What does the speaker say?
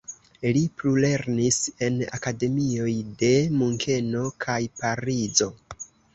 Li plulernis en akademioj de Munkeno kaj Parizo.